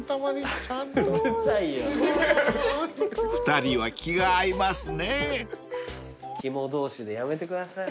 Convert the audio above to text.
［２人は気が合いますね］